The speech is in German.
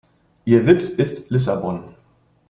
Ihr Sitz ist Lissabon.